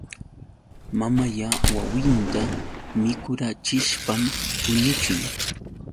Mamalla wawinta mikurachishpam puñuchin.